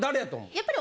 やっぱり。